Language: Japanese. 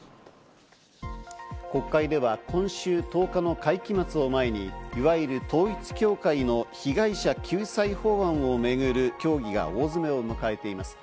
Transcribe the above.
国会では今週１０日の会期末を前に、いわゆる統一教会の被害者救済法案をめぐる協議が大詰めを迎えています。